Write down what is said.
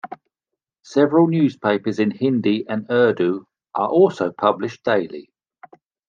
Several newspapers in Hindi and Urdu are also published daily.